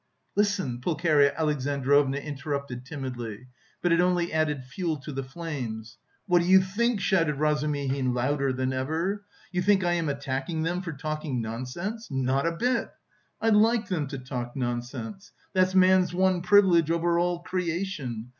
"Listen!" Pulcheria Alexandrovna interrupted timidly, but it only added fuel to the flames. "What do you think?" shouted Razumihin, louder than ever, "you think I am attacking them for talking nonsense? Not a bit! I like them to talk nonsense. That's man's one privilege over all creation.